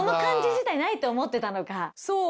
そう。